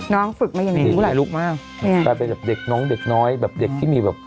น้องฝึกมาอย่างนี้มีหลายลุคมากแบบเด็กน้องเด็กน้อยแบบเด็กที่มีแบบ